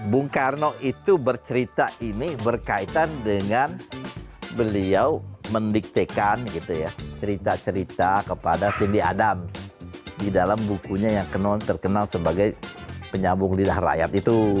bung karno itu bercerita ini berkaitan dengan beliau mendiktekan cerita cerita kepada cindy adam di dalam bukunya yang terkenal sebagai penyambung lidah rakyat itu